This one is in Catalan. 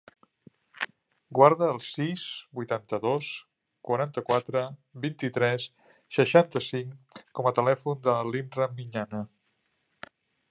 Guarda el sis, vuitanta-dos, quaranta-quatre, vint-i-tres, seixanta-cinc com a telèfon de l'Imran Miñana.